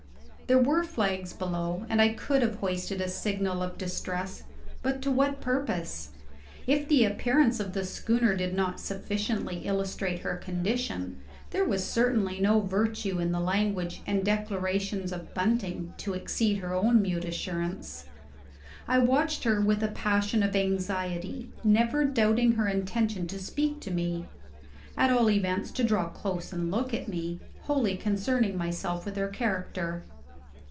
There were flags below and I could have hoisted a signal of distress: but to what purpose? If the appearance of the schooner did not sufficiently illustrate her condition, there was certainly no virtue in the language and declarations of bunting to exceed her own mute assurance. I watched her with a passion of anxiety, never doubting her intention to speak to me, at all events to draw close and look at me, wholly concerning myself with her character.